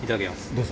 どうぞ。